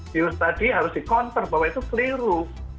dius tadi harus dikontrol bahwa itu keliru